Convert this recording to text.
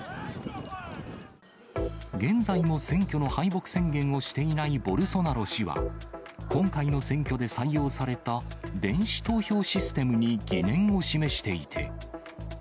現在も選挙の敗北宣言をしていないボルソナロ氏は、今回の選挙で採用された電子投票システムに疑念を示していて。